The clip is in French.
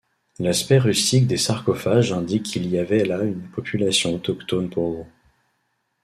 L'aspect rustique des sarcophages indique qu'il y avait là une population autochtone pauvre.